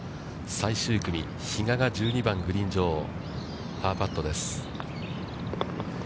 最終組、比嘉が１２番、グリーン上、パーパットです。